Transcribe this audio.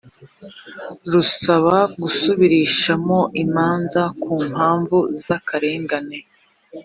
rusaba gusubirishamo imanza ku mpamvu z akarengane